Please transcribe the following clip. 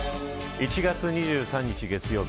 １月２３日月曜日